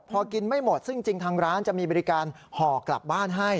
พอกินไม่หมดซึ่งจริงทางร้านจะมีบริการห่อกลับบ้านให้